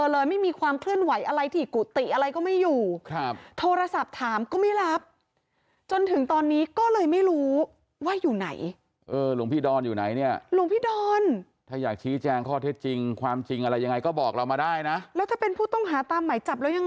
แล้วถ้าเป็นผู้ต้องหาตามหมายจับแล้วยังไงแล้วบวชพระแล้วยังไง